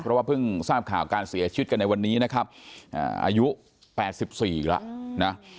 เพราะว่าเพิ่งทราบข่าวการเสียชีวิตกันในวันนี้นะครับอายุ๘๔อีกแล้วนะ